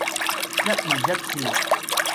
一年一次